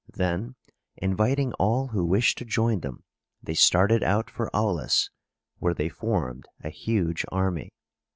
Then, inviting all who wished to join them, they started out for Aulis, where they formed a huge army.